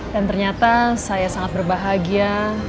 ternyata saya sangat berbahagia